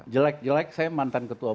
jelek jelek saya mantan ketua